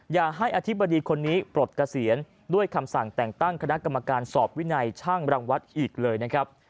อย่าให้อธิบดีคนนี้ปลดเกษียณด้วยคำสั่งแต่งตั้งคณะกรรมการสอบวินัยช่างรังวัดอีกเลยนะครับ